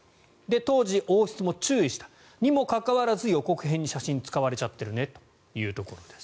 当時、王室も注意したにもかかわらず予告編に写真を使われちゃってるねというところです。